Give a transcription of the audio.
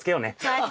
はい。